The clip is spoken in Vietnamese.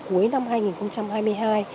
cuối năm hai nghìn hai mươi hai